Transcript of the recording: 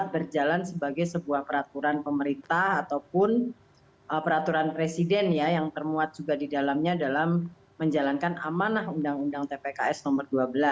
berjalan sebagai sebuah peraturan pemerintah ataupun peraturan presiden yang termuat juga di dalamnya dalam menjalankan amanah undang undang tpks nomor dua belas